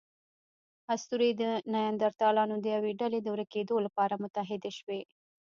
اسطورې د نیاندرتالانو د یوې ډلې د ورکېدو لپاره متحدې شوې.